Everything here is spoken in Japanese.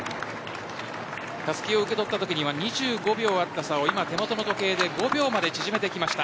たすきを受け取ったときには２５秒あった差を手元の時計で５秒まで縮めてきました。